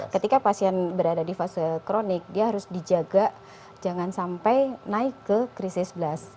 ketika pasien berada di fase kronik dia harus dijaga jangan sampai naik ke krisis blast